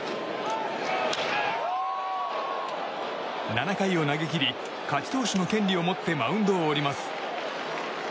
７回を投げ切り勝ち投手の権利を持ってマウンドを降ります。